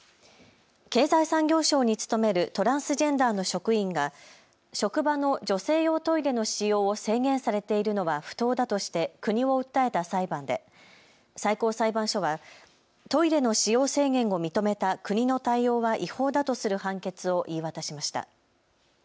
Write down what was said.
経済産業省に勤めるトランスジェンダーの職員が職場の女性用トイレの使用を制限されているのは不当だとして国を訴えた裁判で最高裁判所はトイレの使用制限を認めた国の対応は違法だとする判決を言い渡しました。